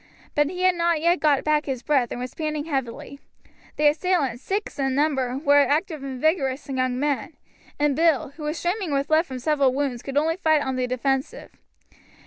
But he had not yet got back his breath, and was panting heavily. The assailants, six in number, were active and vigorous young men; and Bill, who was streaming with blood from several wounds, could only fight on the defensive.